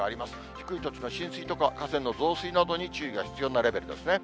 低い土地の浸水とか、河川の増水などに注意が必要なレベルですね。